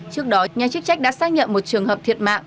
trước đó nhà chức trách đã xác nhận một trường hợp thiệt mạng